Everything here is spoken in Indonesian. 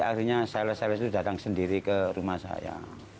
akhirnya sales sales itu datang sendiri ke rumah saya